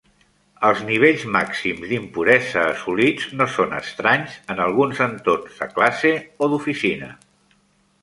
Els nivells màxims d'impuresa assolits no són estranys en alguns entorns de classe o d'oficina.